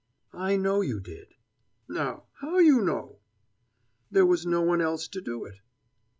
"I know you did." "Now, how you know?" "There was no one else to do it!"